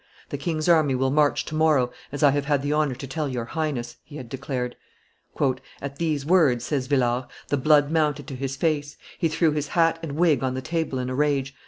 "The king's army will march to morrow, as I have had the honor to tell your Highness," he had declared. "At these words," says Villars, the blood mounted to his face; he threw his hat and wig on the table in a rage.